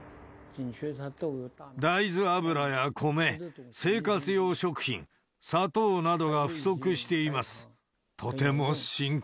大豆油や米、生活用食品、砂糖などが不足しています。